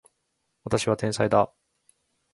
私は天才だ